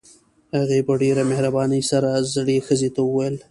هغې په ډېره مهربانۍ سره زړې ښځې ته وويل.